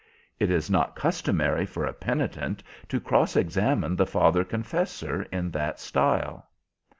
It is not customary for a penitent to cross examine the father confessor in that style."